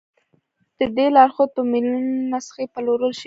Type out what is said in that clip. د دې لارښود په میلیونونو نسخې پلورل شوي دي.